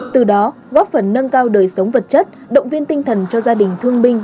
từ đó góp phần nâng cao đời sống vật chất động viên tinh thần cho gia đình thương binh